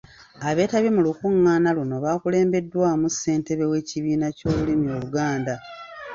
Abeetabye mu lukungaana luno bakulembeddwamu ssentebe w’ekibiina ky’olulimi Oluganda.